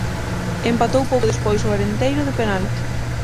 Empatou pouco despois o Arenteiro de penalti.